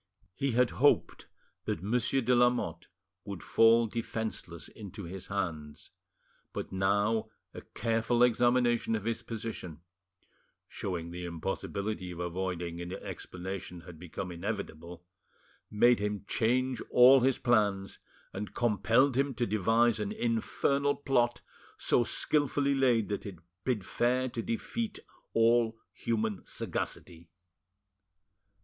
He had hoped that Monsieur de Lamotte would fall defenceless into his hands; but now a careful examination of his position, showing the impossibility of avoiding an explanation had become inevitable, made him change all his plans, and compelled him to devise an infernal plot, so skilfully laid that it bid fair to defeat all human sagacity.